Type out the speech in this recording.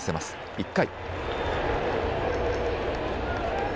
１回。